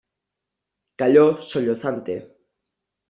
calló sollozante.